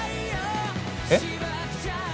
えっ？